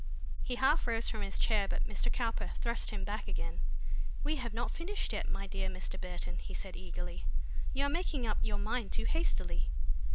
He half rose from his chair but Mr. Cowper thrust him back again. "We have not finished yet, my dear Mr. Burton," he said eagerly. "You are making up your mind too hastily."